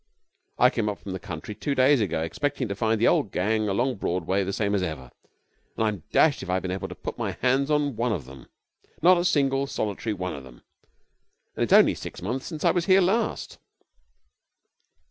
I came up from the country two days ago, expecting to find the old gang along Broadway the same as ever, and I'm dashed if I've been able to put my hands on one of them! Not a single, solitary one of them! And it's only six months since I was here last.'